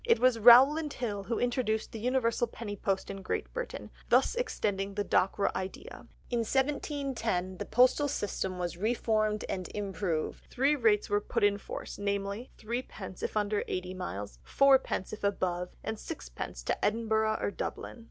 It was Rowland Hill who introduced the universal penny post in Great Britain, thus extending the Dockwra idea. In 1710 the postal system was reformed and improved, three rates were put in force, namely: threepence if under eighty miles; fourpence if above; and sixpence to Edinburgh or Dublin.